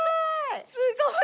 すごい。